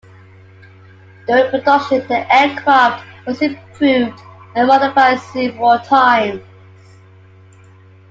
During production, the aircraft was improved and modified several times.